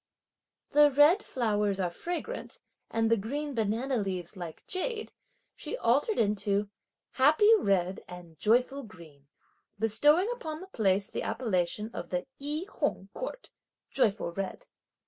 "The red (flowers are) fragrant and the green (banana leaves like) jade," she altered into "Happy red and joyful green"; bestowing upon the place the appellation of the I Hung court (joyful red).